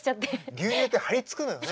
牛乳って張り付くのよね。